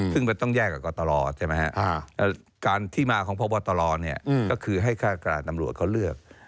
ซึ่งมันต้องแยกกับกตรใช่ไหมครับการที่มาของพบตรก็คือให้ฆาตการตำรวจเขาเลือก